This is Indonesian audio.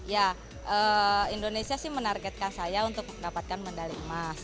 ya indonesia sih menargetkan saya untuk mendapatkan medali emas